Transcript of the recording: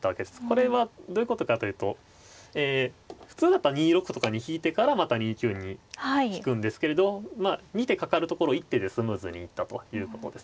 これはどういうことかというと普通だったら２六とかに引いてからまた２九に引くんですけれど２手かかるところを一手でスームズに行ったということですね。